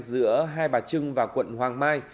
giữa hai bà trưng và quận hoàng mai